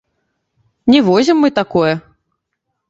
Не возім мы такое.